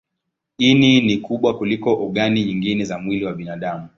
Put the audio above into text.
Ini ni kubwa kuliko ogani nyingine za mwili wa binadamu.